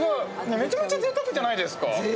めちゃめちゃぜいたくじゃないですか？